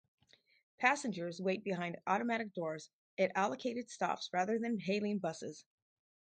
Passengers wait behind automatic doors at allocated stops rather than hailing buses.